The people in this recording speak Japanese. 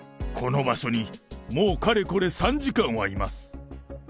この場所にもうかれこれ、３時間はいます。